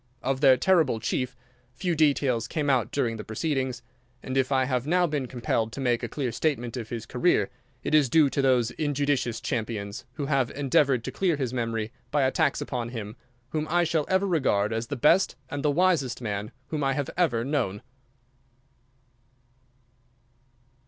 Of their terrible chief few details came out during the proceedings, and if I have now been compelled to make a clear statement of his career it is due to those injudicious champions who have endeavoured to clear his memory by attacks upon him whom I shall ever regard as the best and the wisest man whom I have ever known.